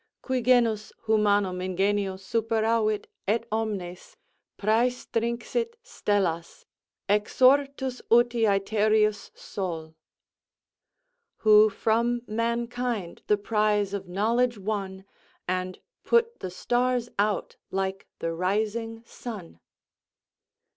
Qui genus humanum ingenio superavit, et omnes Præstinxit stellas, exortus uti æthereus Sol. "Who from mankind the prize of knowledge won, And put the stars out like the rising sun."